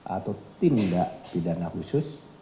atau tindak pidana khusus